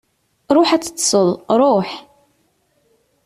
Ruḥ ad teṭṭseḍ, ruḥ!